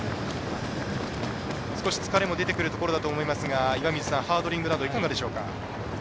少し疲れも出てくるところだと思いますが岩水さん、ハードリングなどいかがでしょうか？